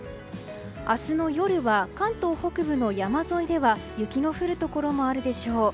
明日の夜は関東北部の山沿いでは雪の降るところもあるでしょう。